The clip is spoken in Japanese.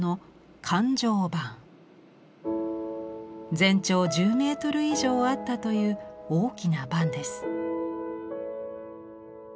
全長１０メートル以上あったという大きな幡です。